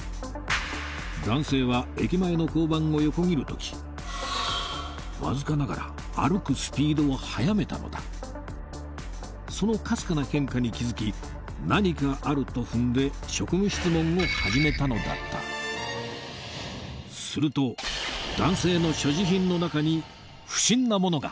男性は駅前の交番を横切る時わずかながら歩くスピードを早めたのだそのかすかな変化に気づき何かあるとふんで職務質問を始めたのだったすると男性の所持品の中に不審なものが